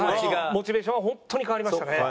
モチベーションは本当に変わりましたね。